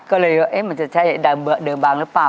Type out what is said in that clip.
ก็เลยว่ามันจะใช่เดิมบางหรือเปล่า